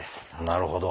なるほど。